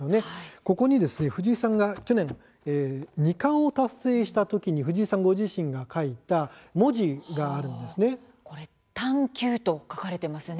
ここに藤井さんが去年、二冠を達成したときに藤井さんご自身が書いた文字が探究と書かれていますね。